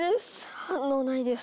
反応ないです。